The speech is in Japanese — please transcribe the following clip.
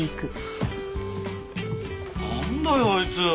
なんだよあいつ。